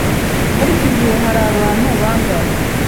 Muri iki gihe hari abantu bangahe?